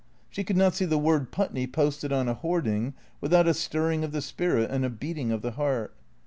She could not see the word Putney posted on a hoarding without a stirring of the spirit and a beating of the heart.